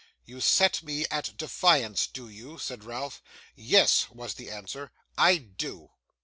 'You set me at defiance, do you?' said Ralph. 'Yes,' was the answer. I do.